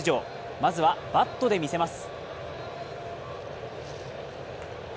まずはバットで見せます。